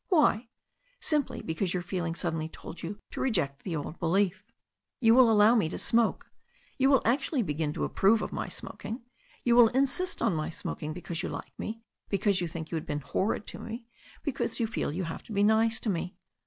Why? Simply because your feeling suddenly told you to reject the old belief. You will allow me to smoke, you will actually begin to approve my smoking, you will insist on my smoking, because you like me, because you think you have been horrid to me, because you feel you have to be nice to me.